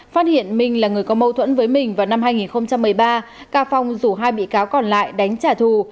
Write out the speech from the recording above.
phát hiện minh là người có mâu thuẫn với mình vào năm hai nghìn một mươi ba ca phong rủ hai bị cáo còn lại đánh trả thù